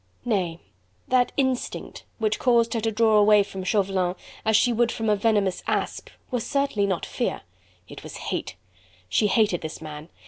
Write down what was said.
Nay! That instinct, which caused her to draw away from Chauvelin, as she would from a venomous asp, was certainly not fear. It was hate! She hated this man!